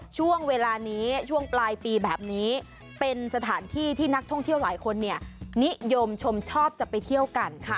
ช่วงเวลานี้ช่วงปลายปีแบบนี้เป็นสถานที่ที่นักท่องเที่ยวหลายคนนิยมชมชอบจะไปเที่ยวกันค่ะ